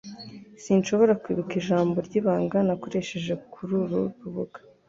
Sinshobora kwibuka ijambo ryibanga nakoresheje kururu rubuga